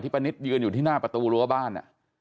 ป้านิตยืนอยู่ที่หน้าประตูรั้วบ้าน